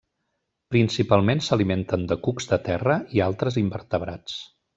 Principalment s'alimenten de cucs de terra i altres invertebrats.